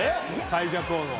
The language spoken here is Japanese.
最弱王の。